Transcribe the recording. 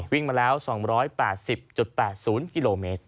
วิ่งมาแล้ว๒๘๐๘๐กิโลเมตร